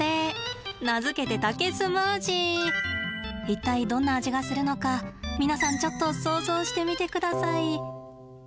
一体どんな味がするのか皆さんちょっと想像してみてください。